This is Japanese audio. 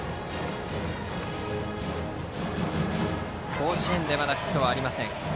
甲子園でまだヒットはありません。